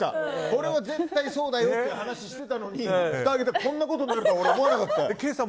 これは絶対、そうだよって話をしていたのにふたを開けたらこんなことになるとは思わなかった。